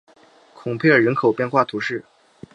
孔佩尔人口变化图示